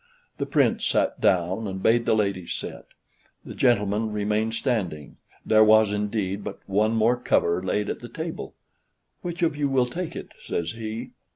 The Prince sat down and bade the ladies sit. The gentlemen remained standing: there was, indeed, but one more cover laid at the table: "Which of you will take it?" says he.